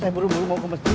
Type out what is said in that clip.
saya buru buru mau ke masjid